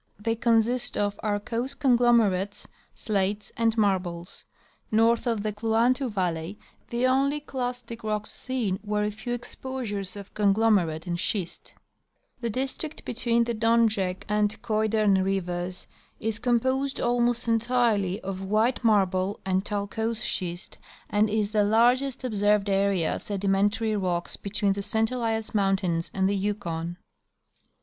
They consist of arkose conglomerates, slates and marbles. North of the Kluantu valle}^ the only clastic rocks seen were a few exposures of con 140 C.W.Hayes — Expedition through the Yukon District. glomerate and schist. The district between the Donjek and Koidern rivers is composed almost entirely of white marble and talcose schist, and is the largest observed area of sedimentary rocks between the St Elias mountains and the Yukon.